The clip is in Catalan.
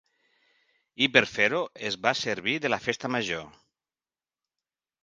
I per fer-ho es va servir de la festa major.